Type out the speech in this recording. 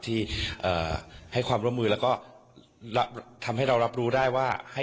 ที่ให้ความร่วมมือแล้วก็ทำให้เรารับรู้ได้ว่าให้